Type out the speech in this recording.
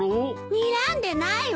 にらんでないわ。